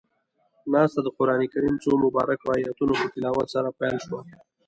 ناسته د قرآن کريم څو مبارکو آیتونو پۀ تلاوت سره پيل شوه.